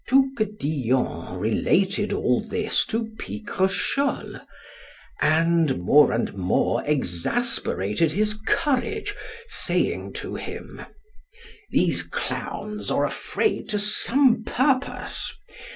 Touquedillon related all this to Picrochole, and more and more exasperated his courage, saying to him, These clowns are afraid to some purpose.